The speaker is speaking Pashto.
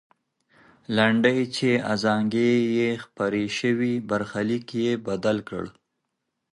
لنډۍ چې ازانګې یې خپرې سوې، برخلیک یې بدل کړ.